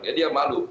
jadi dia malu